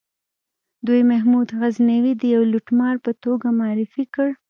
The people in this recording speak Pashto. دوی محمود غزنوي د یوه لوټمار په توګه معرفي کړ.